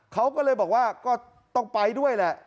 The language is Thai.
เขาก็เลยบอกว่าก็ต้องไปด้วยแหละ